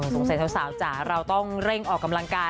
สงสัยสาวจ๊ะเราต้องเร่งออกกำลังกาย